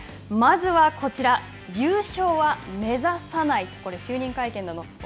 まずは、こちら優勝は目指さない。